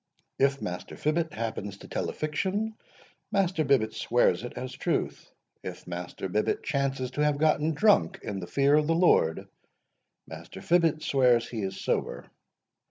If Master Fibbet happens to tell a fiction, Master Bibbet swears it as truth. If Master Bibbet chances to have gotten drunk in the fear of the Lord, Master Fibbet swears he is sober.